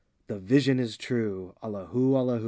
The vision is true, Allahu, Allahu!